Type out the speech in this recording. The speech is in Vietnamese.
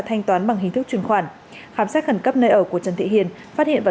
thanh toán bằng hình thức chuyển khoản khám xét khẩn cấp nơi ở của trần thị hiền phát hiện và